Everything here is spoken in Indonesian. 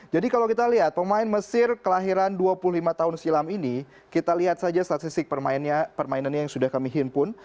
jadi kalau kita lihat pemain mesir kelahiran dua puluh lima tahun silam ini kita lihat saja statistik permainannya yang sudah kami himpun